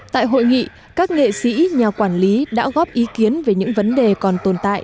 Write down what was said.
tại hội nghị các nghệ sĩ nhà quản lý đã góp ý kiến về những vấn đề còn tồn tại